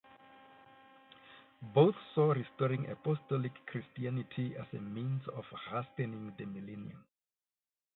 Both saw restoring apostolic Christianity as a means of hastening the millennium.